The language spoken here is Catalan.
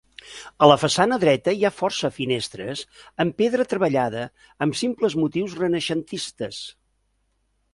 A la façana dreta hi ha força finestres amb pedra treballada amb simples motius renaixentistes.